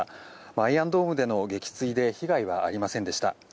アイアンドームでの撃墜で被害はありませんでした。